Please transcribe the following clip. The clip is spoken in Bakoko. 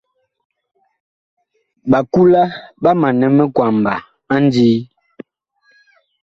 Ɓakula ɓa manɛ minkwaba a ndii.